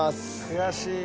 悔しい。